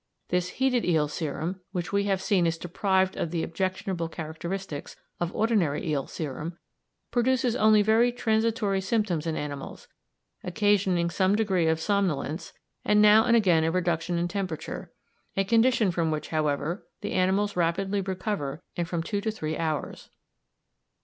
This heated eel serum, which we have seen is deprived of the objectionable characteristics of ordinary eel serum, produces but very transitory symptoms in animals, occasioning some degree of somnolence, and now and again a reduction in temperature, a condition from which, however, the animals rapidly recover in from two to three hours.